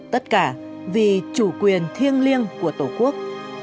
tất cả vì chủ quyền thiêng liêng của tổ quốc